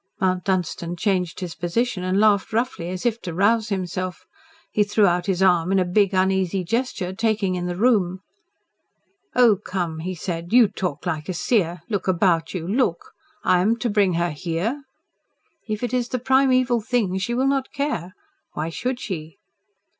Mount Dunstan changed his position and laughed roughly, as if to rouse himself. He threw out his arm in a big, uneasy gesture, taking in the room. "Oh, come," he said. "You talk like a seer. Look about you. Look! I am to bring her here!" "If it is the primeval thing she will not care. Why should she?"